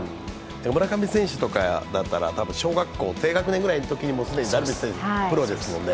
村上選手とかだったら小学校低学年ぐらいのときに既にダルビッシュ選手はプロですもんね。